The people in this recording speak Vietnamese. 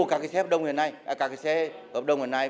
các cái xe hợp đồng hiện nay